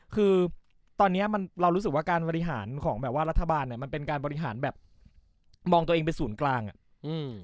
คือตอนเนี้ยมันเรารู้สึกว่าการบริหารของแบบว่ารัฐบาลเนี้ยมันเป็นการบริหารแบบมองตัวเองเป็นศูนย์กลางอ่ะอืม